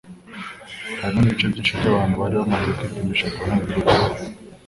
harimo n’ibice byinshi by’abantu bari bamaze kwipimisha koronavirusi